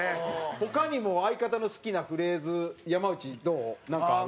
他にも相方の好きなフレーズ山内、どう？なんかある？